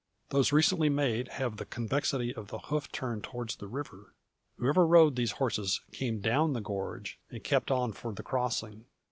Those recently made have the convexity of the hoof turned towards the river. Whoever rode these horses came down the gorge, and kept on for the crossing.